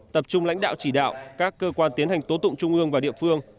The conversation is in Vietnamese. tập trung lãnh đạo chỉ đạo các cơ quan tiến hành tố tụng trung ương và địa phương